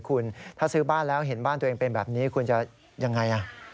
คุณถ้าซื้อบ้านแล้วเห็นบ้านตัวเองเป็นแบบนี้คุณจะยังไง